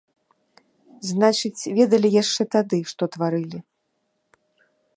Значыць, ведалі яшчэ тады, што тварылі!